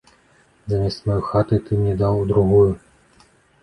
Замест маёй хаты ты мне даў другую?